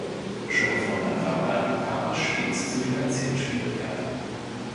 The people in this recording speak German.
Schon von Anfang an kam es stets zu finanziellen Schwierigkeiten.